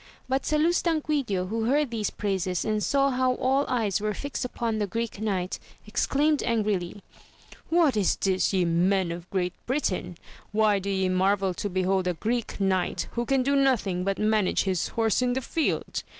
But Salustanquidio who heard these praises and saw how all eyes were fixed upon the Greek Knight, exclaimed angrily — ^What is this ye men of Great Britain ? why do ye marvel to behold a Greek knight, who can do nothing but manage his horse in the field